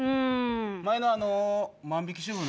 前の万引きの。